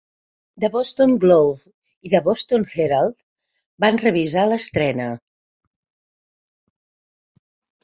"The Boston Globe" i "The Boston Herald" van revisar l'estrena.